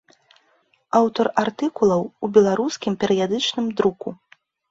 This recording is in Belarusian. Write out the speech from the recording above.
Аўтар артыкулаў у беларускім перыядычным друку.